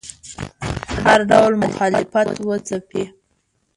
هر ډول مخالفت وځپي